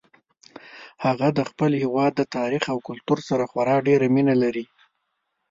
هغه د خپل هیواد د تاریخ او کلتور سره خورا ډیره مینه لري